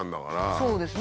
そうですね。